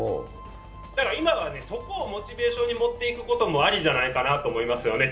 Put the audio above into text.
今はそこをモチベーションに持っていくこともありなんじゃないかなと思いますね。